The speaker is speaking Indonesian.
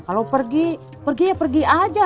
kalau pergi pergi aja